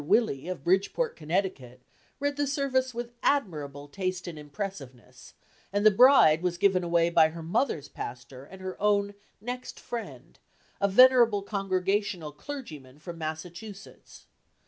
Willey, of Bridgeport, Connecticut, read the service with admirable taste and impressiveness, and the bride was given away by her mother's pastor and her own "next friend," a venerable congregational clergyman from Massachusetts.